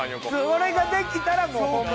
それができたらもう本物。